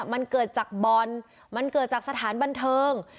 มันเกิดจากบอลมันเกิดจากสถานบันเทิง